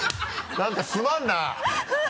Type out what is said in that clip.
何かすまん！